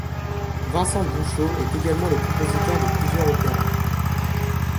Vincent Bouchot est également le compositeur de plusieurs opéras.